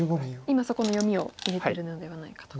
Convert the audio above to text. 今そこに読みを入れてるのではないかと。